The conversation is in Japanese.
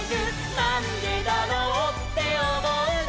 「なんでだろうっておもうなら」